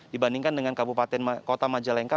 dibandingkan dengan kabupaten kota majalengka